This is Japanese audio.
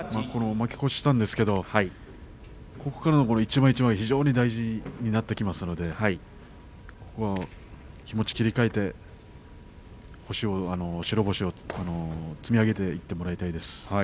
負け越してはいるんですけれどここからの一番一番が非常に大事になってきますので気持ちを切り替えて白星を積み上げていってもらいたいです。